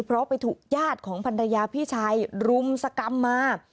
เพราะไปถูกยาดของภรรยาพี่ชายรุมศักรรมมา